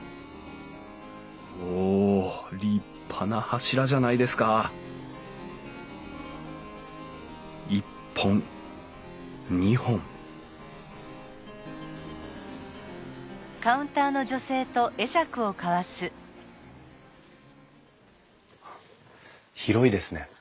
おお立派な柱じゃないですか１本２本広いですね。